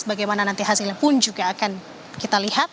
bagaimana nanti hasilnya pun juga akan kita lihat